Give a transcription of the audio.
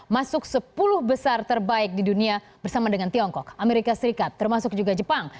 masuk sepuluh besar terbaik di dunia bersama dengan tiongkok amerika serikat termasuk juga jepang